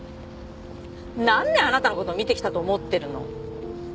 何年あなたの事を見てきたと思ってるの？